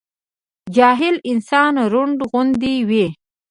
جاهل انسان رونډ غوندي وي